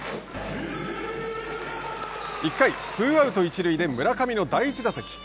１回、ツーアウト、一塁で村上の第１打席。